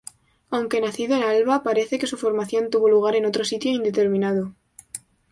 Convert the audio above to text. Aunque nacido en Alba, parece que su formación tuvo lugar en otro sitio indeterminado.